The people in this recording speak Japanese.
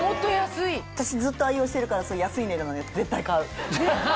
私ずっと愛用してるから安い値段なんで絶対買う。